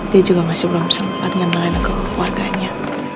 dia juga masih belum sempat ngenalin aku ke keluarganya